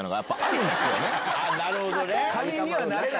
なるほどね。